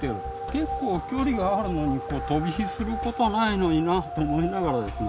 結構距離があるのに飛び火することはないのになと思いながらですね。